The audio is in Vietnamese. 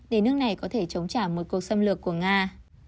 để nước này có thể chống trả một cuộc xâm lược của nga